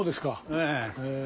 ええ。